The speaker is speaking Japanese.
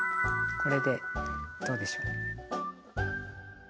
これでどうでしょう。